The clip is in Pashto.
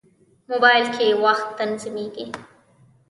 موبایل کې وخت تنظیمېږي.